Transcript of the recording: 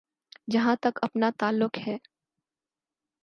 جہاں تک اپنا تعلق ہے۔